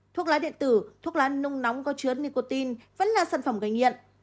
thuốc lá điện tử thuốc lá nung nóng có chứa nicotine vẫn là sản phẩm gây nghiện